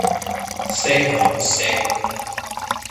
Stay Home Stay Rock!